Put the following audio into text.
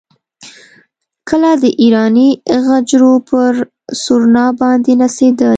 کله د ایراني غجرو پر سورنا باندې نڅېدل.